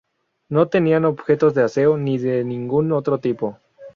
No tenían objetos de aseo ni de ningún otro tipo.